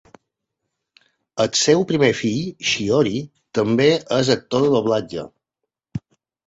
El seu primer fill, Shiori, també és actor de doblatge.